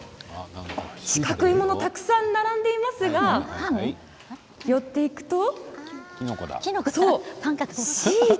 四角いものたくさん並んでいますが寄っていくと。